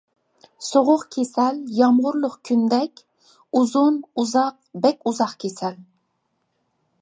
سوغۇق كېسەل، يامغۇرلۇق كۈندەك، ئۇزۇن، ئۇزاق بەك ئۇزاق كېسەل.